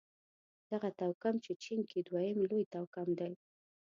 دغه توکم په چين کې دویم لوی توکم دی.